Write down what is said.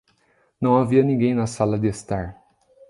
Não havia ninguém na sala de estar.